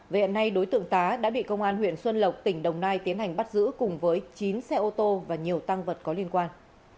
về hiện nay đối tượng tá đã bị công an huyện xuân lộc tỉnh đồng nai tiến hành bắt giữ cùng với chín xe ô tô và nhiều tăng vật có liên quan